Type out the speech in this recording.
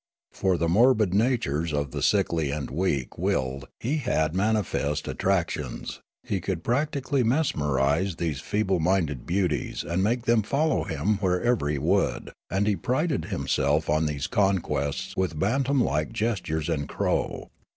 For the morbid natures of the sickly and weak willed he had manifest attrac tions ; he could practically mesmerise these feeble minded beauties and make them follow him wherever he would, and he prided himself on these conquests with bantam like gestures and crow.